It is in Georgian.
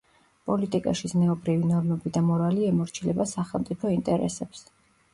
პოლიტიკაში ზნეობრივი ნორმები და მორალი ემორჩილება სახელმწიფო ინტერესებს.